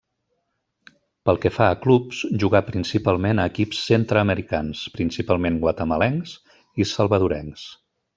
Pel que fa a clubs, jugà principalment a equips centre-americans, principalment guatemalencs i salvadorencs.